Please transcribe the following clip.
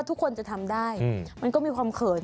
ทุกท่าที่